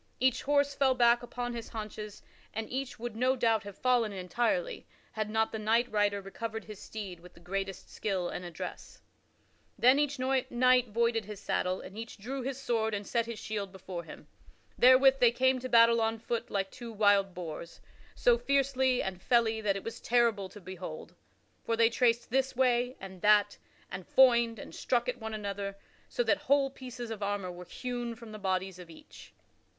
Each horse fell back upon his haunches, and each would no doubt, have fallen entirely, had not the knight rider recovered his steed with the greatest skill and address. Then each knight voided his saddle and each drew his sword and set his shield before him. Therewith they came to battle on foot like two wild boars so fiercely and felly that it was terrible to behold. For they traced this way and that and foined and struck at one another so that whole pieces of armor were hewn from the bodies of each.